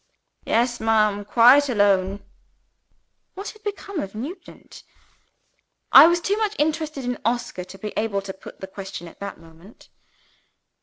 "Yes, ma'am, quite alone." (What had become of Nugent? I was too much interested in Oscar to be able to put the question, at that moment.)